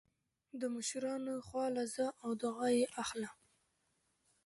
د مشرانو خوا له ځه او دعا يې اخله